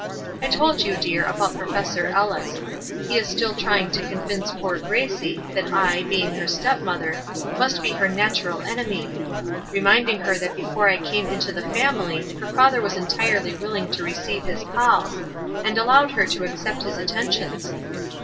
I told you, dear, about Prof. Ellis. He is still trying to convince poor Gracie, that I, being her step mother, must be her natural enemy; reminding her that before I came into the family her father was entirely willing to receive his calls, and allowed her to accept his attentions.